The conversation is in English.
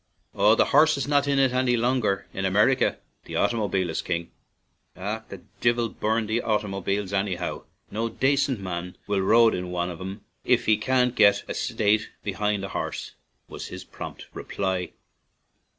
"Oh, the horse is not 'in it' any longer in America; the automobile is king." " Ach ! the divil burn the oightymoobiles annyhow ; no dacent man will roide in wan av 'em if he can get a sate behind a harse," was his prompt reply.